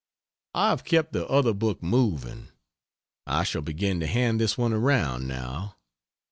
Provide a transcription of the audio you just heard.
I have kept the other book moving; I shall begin to hand this one around now.